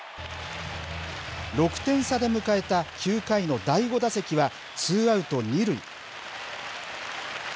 ６点差で迎えた９回の第５打席は、ツーアウト２塁。